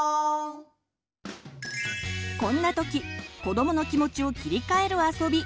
こんな時子どもの気持ちを切り替えるあそび